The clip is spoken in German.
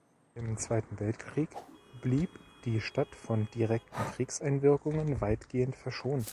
Im Zweiten Weltkrieg blieb die Stadt von direkten Kriegseinwirkungen weitgehend verschont.